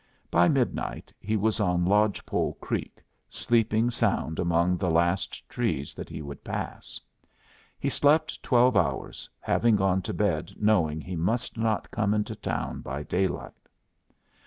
By midnight he was on Lodge Pole Creek, sleeping sound among the last trees that he would pass. He slept twelve hours, having gone to bed knowing he must not come into town by daylight.